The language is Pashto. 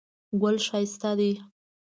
ګل ښایسته دی.